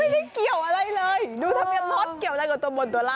ไม่ได้เกี่ยวอะไรเลยดูทะเบียนรถเกี่ยวอะไรกับตำบลตัวล่า